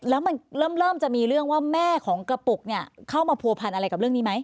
แล้วมันเริ่มจะมีเรื่องว่าแม่ของกระปุกเนี่ยเข้ามาผัวพันอะไรกับเรื่องนี้ไหม